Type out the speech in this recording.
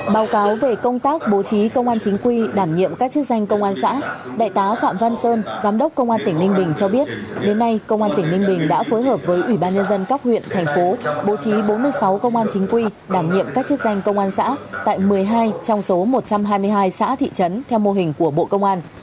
báo cáo về công tác bố trí công an chính quy đảm nhiệm các chức danh công an xã đại tá phạm văn sơn giám đốc công an tỉnh ninh bình cho biết đến nay công an tỉnh ninh bình đã phối hợp với ủy ban nhân dân các huyện thành phố bố trí bốn mươi sáu công an chính quy đảm nhiệm các chức danh công an xã tại một mươi hai trong số một trăm hai mươi hai xã thị trấn theo mô hình của bộ công an